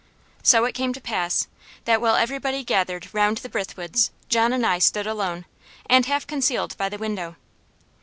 So it came to pass, that while everybody gathered round the Brithwoods John and I stood alone, and half concealed by the window.